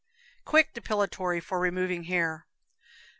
Quick Depilatory for Removing Hair.